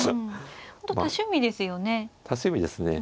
本当多趣味ですよね。